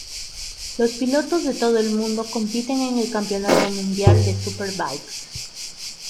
Los pilotos de todo el mundo compiten en el Campeonato Mundial de Superbikes.